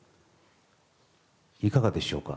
いかがでしょうか？